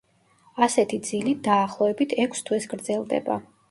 ასეთი ძილი, დაახლოებით, ექვს თვეს გრძელდება.